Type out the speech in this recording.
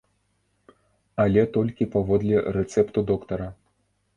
Але толькі паводле рэцэпту доктара.